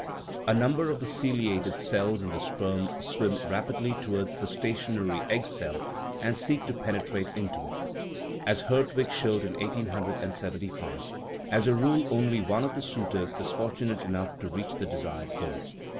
A number of the ciliated cells in the sperm swim rap idly towards the stationary egg cell and seek to pene trate into it. As Hertwig showed in 1 875, as a rule only one of the suitors is fortunate enough to reach the de sired goal.